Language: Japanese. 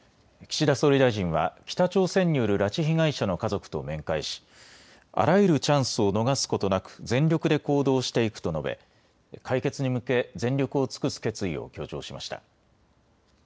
岸田総理大臣は、北朝鮮による拉致被害者の家族と面会し、あらゆるチャンスを逃すことなく、全力で行動していくと述べ、解決に向け、全力を尽くす決意を強調しました。